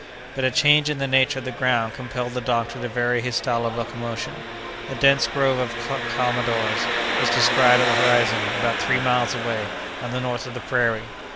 But a change in the nature of the ground compelled the doctor to vary his style of locomotion. A dense grove of calmadores was descried on the horizon, about three miles away, on the north of the prairie.